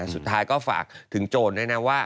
สุดท้ายก็ปลอดภัยถึงโจมตร์นะว่า